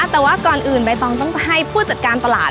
แต่ว่าก่อนอื่นใบตองต้องให้ผู้จัดการตลาด